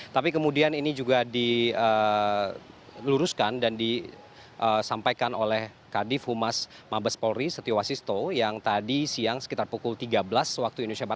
tapi kemudian ini juga diluruskan dan disampaikan oleh kadif humas mabes polri setiwasisto yang tadi siang sekitar pukul tiga belas waktu indonesia barat